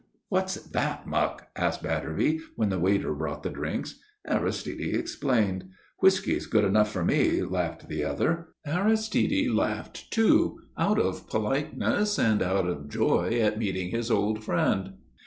"What's that muck?" asked Batterby, when the waiter brought the drinks. Aristide explained. "Whisky's good enough for me," laughed the other. Aristide laughed too, out of politeness and out of joy at meeting his old friend.